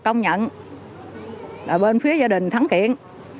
tòa án nhân dân không nhận bên phía gia đình thắng kiện